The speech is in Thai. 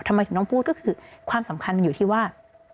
ทำไมถึงต้องพูดก็คือความสำคัญอยู่ที่ว่า